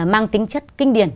mang tính chất kinh điển